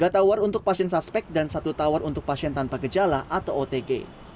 tiga tower untuk pasien suspek dan satu tower untuk pasien tanpa gejala atau otg